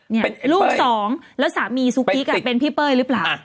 นี่ลูกสองแล้วสามีซุกิ๊กเป็นพี่เป้ยหรือเปล่า